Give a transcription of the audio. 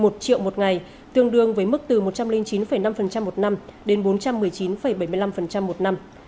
một triệu một ngày tương đương với mức từ một trăm linh chín năm một năm đến bốn trăm một mươi chín bảy mươi năm một năm